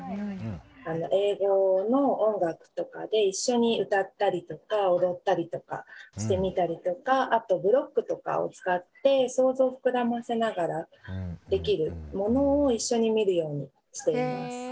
英語の音楽とかで一緒に歌ったりとか踊ったりとかしてみたりとかあとブロックとかを使って想像を膨らませながらできるものを一緒に見るようにしています。